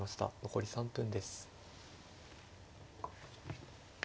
残り３分です。